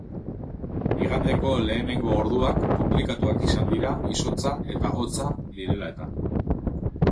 Igandeko lehenengo orduak konplikatuak izan dira izotza eta hotza direla eta.